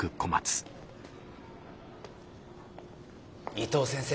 伊藤先生